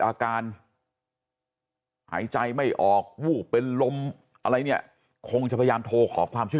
อาการหายใจไม่ออกวูบเป็นลมอะไรเนี่ยคงจะพยายามโทรขอความช่วย